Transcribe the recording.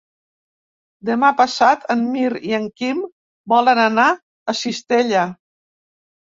Demà passat en Mirt i en Quim volen anar a Cistella.